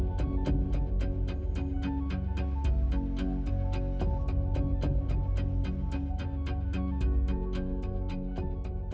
dinasumberdaya air provinsi dki jakarta